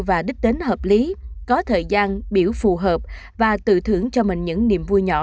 và đích tính hợp lý có thời gian biểu phù hợp và tự thưởng cho mình những niềm vui nhỏ